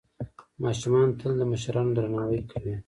ماشومان تل د مشرانو درناوی کوي.